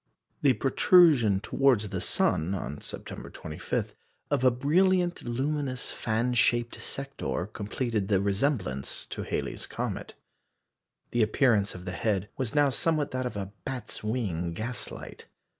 The protrusion towards the sun, on September 25, of a brilliant luminous fan shaped sector completed the resemblance to Halley's comet. The appearance of the head was now somewhat that of a "bat's wing" gaslight.